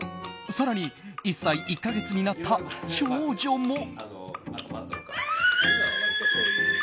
更に１歳１か月になった長女も。